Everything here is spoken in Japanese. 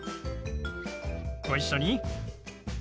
ご一緒に。